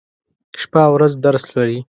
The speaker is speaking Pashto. شپه او ورځ درس لولي.